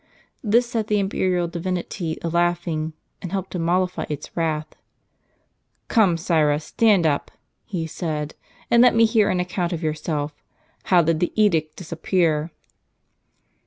This set the imperial divinity a laughing, and helped to mollify its wrath. " Come, sirrah ! stand up," he said, " and let me hear an account of yourself. How did the edict disappear